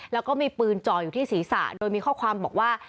แล้วก็มีปืนจ่ออยู่ที่ศีรษะโดยมีข้อความบอกว่า